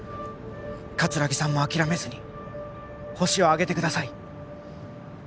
葛城さんも諦めずにホシを挙げてください